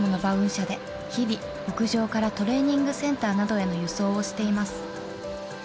車で日々牧場からトレーニングセンターなどへの輸送をしています